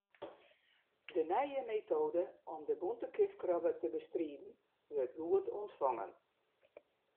De nije metoade om de bûnte kjifkrobbe te bestriden, wurdt goed ûntfongen.